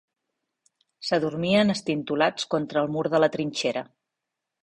S'adormien estintolats contra el mur de la trinxera.